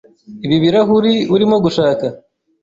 Ibi birahuri urimo gushaka?